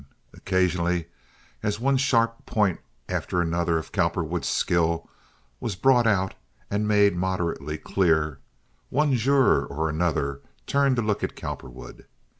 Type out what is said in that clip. Occasionally, as one sharp point after another of Cowperwood's skill was brought out and made moderately clear, one juror or another turned to look at Cowperwood.